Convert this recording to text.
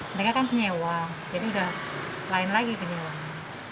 mereka kan penyewa jadi udah lain lagi penyewanya